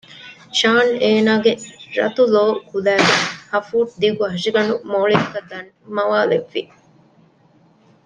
ޝާން އޭނާގެ ރަތުލޯ ކުލައިގެ ހަފޫޓްދިގު ހަށިގަނޑު މޯޅިއަކަށް ދަންމަވާލެއްވި